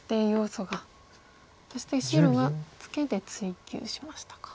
そして白はツケで追及しましたか。